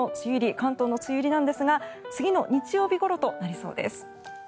関東の梅雨入りですが次の日曜日ごろとなりそうです。